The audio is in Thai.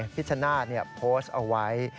พิชนาโพสต์เอาไว้